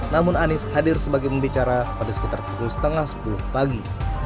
namun anies hadir sebagai pembicara pada sekitar pukul setengah sepuluh pagi